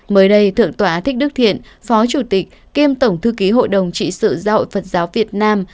mới đây thượng tọa thích đức thiện phó chủ tịch kiêm tổng thư ký hội đồng trị sự giáo hội phật giáo việt nam